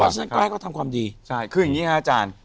เพราะฉะนั้นก็ให้เขาทำความดีคืออย่างนี้ครับอาจารย์